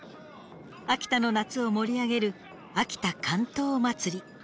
秋田の夏を盛り上げる「秋田竿燈まつり」。